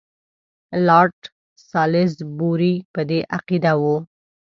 لارډ سالیزبوري په دې عقیده وو.